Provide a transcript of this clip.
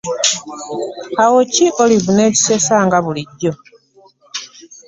Awo ki Olive ne kisesa nga bulijjo.